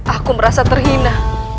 aku merasa terhina